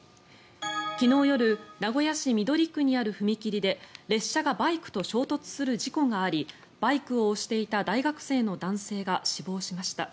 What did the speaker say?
昨日夜名古屋市緑区にある踏切で列車がバイクと衝突する事故がありバイクを押していた大学生の男性が死亡しました。